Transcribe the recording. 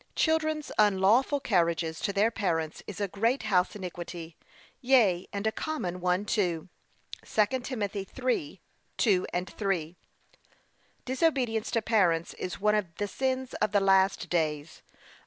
Children's unlawful carriages to their parents is a great house iniquity; yea, and a common one too. (2 Tim. 3:2, 3) Disobedience to parents is one of the sins of the last days. O!